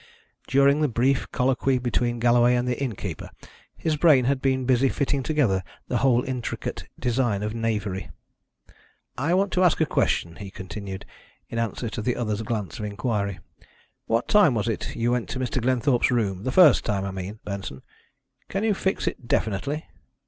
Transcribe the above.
During the brief colloquy between Galloway and the innkeeper his brain had been busy fitting together the whole intricate design of knavery. "I want to ask a question," he continued, in answer to the other's glance of inquiry. "What time was it you went to Mr. Glenthorpe's room the first time I mean, Benson. Can you fix it definitely?"